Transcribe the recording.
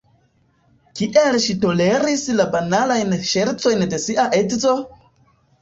Kiel ŝi toleris la banalajn ŝercojn de sia edzo?